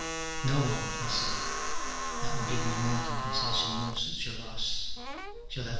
"No one," I say, "that will give me no compensation worth such a loss shall ever CH.